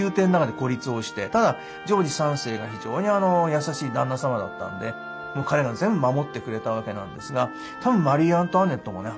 ただジョージ３世が非常に優しい旦那様だったので彼が全部守ってくれたわけなんですがたぶんマリー・アントワネットもね